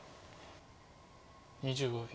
２５秒。